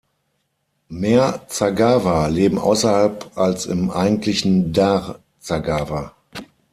Mehr Zaghawa leben außerhalb als im eigentlichen Dar Zaghawa.